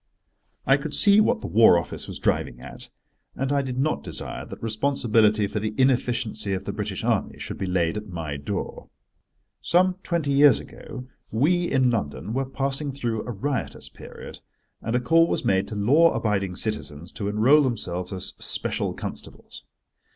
I could see what the War Office was driving at, and I did not desire that responsibility for the inefficiency of the British Army should be laid at my door. Some twenty years ago we, in London, were passing through a riotous period, and a call was made to law abiding citizens to enrol themselves as special constables.